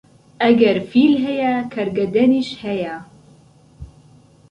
ئەگەر فیل هەیە، کەرگەدەنیش هەیە